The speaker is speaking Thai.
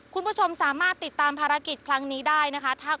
คุณผู้ชมสามารถติดตามภารกิจครั้งนี้ได้นะคะ